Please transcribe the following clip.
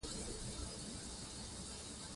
په ګونګه ژبه نظمونه لیکم